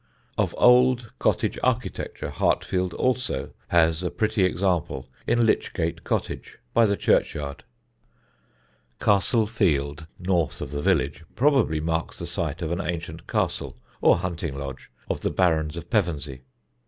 Of old cottage architecture Hartfield also has a pretty example in Lych Gate Cottage, by the churchyard. "Castle field," north of the village, probably marks the site of an ancient castle, or hunting lodge, of the Barons of Pevensey.